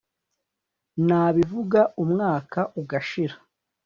na bivuga umwuka ugashira